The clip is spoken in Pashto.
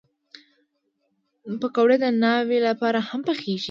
پکورې د ناوې لپاره هم پخېږي